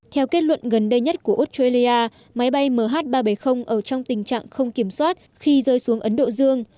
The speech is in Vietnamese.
theo kết luận gần đây nhất của australia máy bay mh ba trăm bảy mươi ở trong tình trạng không kiểm soát khi rơi xuống ấn độ dương